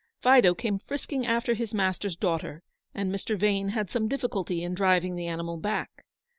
Fido came frisking after his master's daughter, and Mr. Vane had some difficulty in driving the animal back.